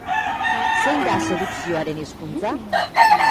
Zein da sedukzioaren hizkuntza?